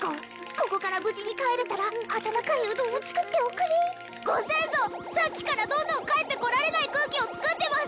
ここから無事に帰れたら温かいうどんを作っておくれご先祖さっきからどんどん帰ってこられない空気を作ってます